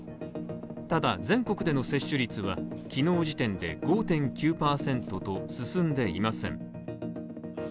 ただ、全国での接種率は昨日時点で５．９％と進んでいません。